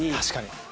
確かに。